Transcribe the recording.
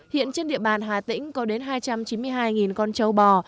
hiện trên địa bàn hà tĩnh có đến hai trăm chín mươi hai con châu bò